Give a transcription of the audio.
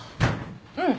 うん。